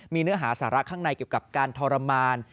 มีเนื้อหาสาระข้างในเกี่ยวกับการทรมาน